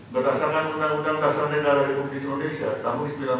berdasarkan undang undang dasar negara republik indonesia tahun seribu sembilan ratus empat puluh lima